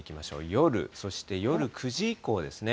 夜、そして夜９時以降ですね。